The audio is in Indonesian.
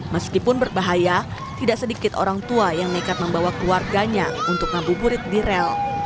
meskipun berbahaya tidak sedikit orang tua yang nekat membawa keluarganya untuk ngabuburit di rel